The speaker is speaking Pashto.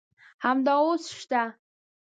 همدا اوس شته.